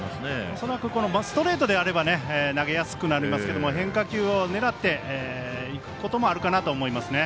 恐らくストレートであれば投げやすくなりますけど変化球を狙っていくこともあるかなと思いますね。